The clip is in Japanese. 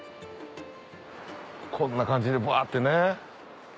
こんな感じでバってね。